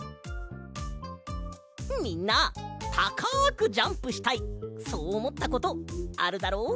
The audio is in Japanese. みんなたかくジャンプしたいそうおもったことあるだろ？